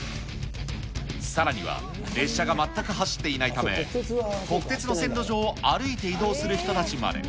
さらには、列車が全く走っていないため、国鉄の線路上を歩いて移動する人たちまで。